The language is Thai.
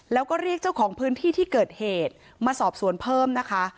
แล้วก็เรียกเจ้าของพื้นที่ที่เกิดเหตุมาสอบสวนเพิ่มนะคะ